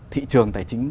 thị trường tài chính